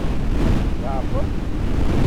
Tceɛfeḍ?